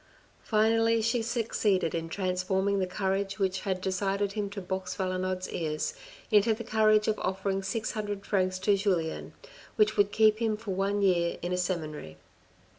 Finally she succeeded in trans forming the courage which had decided him to box Valenod's ears, into the courage of offering six hundred francs to Julien, which would keep him for one year in a seminary.